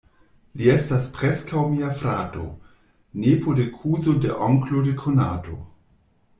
Li estas preskaŭ mia frato: nepo de kuzo de onklo de konato.